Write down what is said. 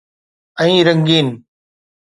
۽ رنگين